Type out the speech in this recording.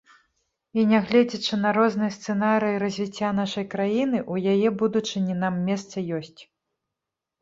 І, нягледзячы на розныя сцэнарыі развіцця нашай краіны, у яе будучыні нам месца ёсць.